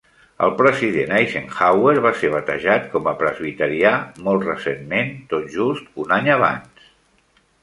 El President Eisenhower va ser batejat com a presbiterià molt recentment, tot just un any abans.